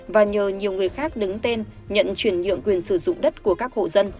và nhờ nhiều người khác đứng tên nhận chuyển nhượng quyền sử dụng đất của các hộ dân